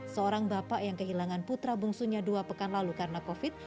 seorang bapak yang kehilangan putra bungsunya dua pekan lalu karena covid